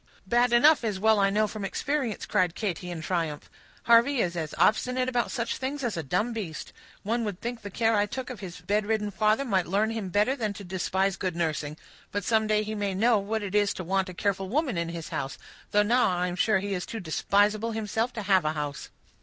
"Bad enough, as I well know from experience," cried Katy, in triumph. "Harvey is as obstinate about such things as a dumb beast; one would think the care I took of his bedridden father might learn him better than to despise good nursing. But some day he may know what it is to want a careful woman in his house, though now I am sure he is too despisable himself to have a house."